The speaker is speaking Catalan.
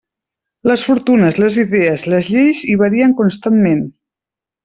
Les fortunes, les idees, les lleis hi varien constantment.